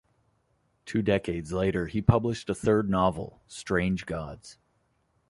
Two decades later he published a third novel, "Strange Gods".